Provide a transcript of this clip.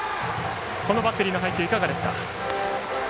このバッテリーの配球はいかがですか。